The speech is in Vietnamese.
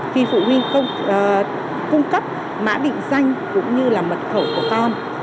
khi phụ huynh không cung cấp mã định danh cũng như là mật khẩu của con